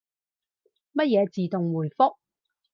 乜嘢自動回覆？